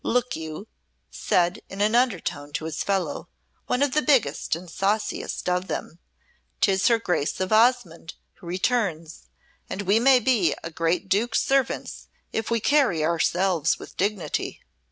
"Look you," said, in an undertone to his fellow, one of the biggest and sauciest of them, "'tis her Grace of Osmonde who returns, and we may be a great Duke's servants if we carry ourselves with dignity."